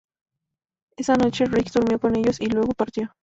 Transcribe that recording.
Esa noche Rig durmió con ellos y luego partió.